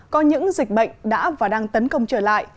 có những dịch bệnh đã và đang tấn công trở lại